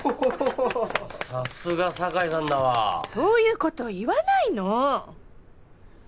さすが酒井さんだわそういうこと言わないの！